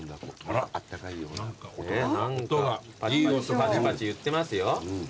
いい音パチパチいってますよ。